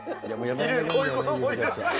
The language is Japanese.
こういう子どもいる。